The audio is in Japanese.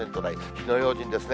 火の用心ですね。